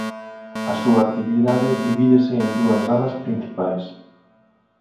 A súa actividade divídese en dúas ramas principais.